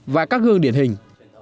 và các gương điển hình